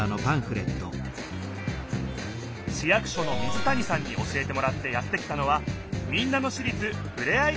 市役所の水谷さんに教えてもらってやって来たのは民奈野市立ふれあい